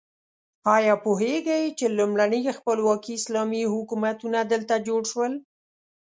ایا پوهیږئ چې لومړني خپلواکي اسلامي حکومتونه دلته جوړ شول؟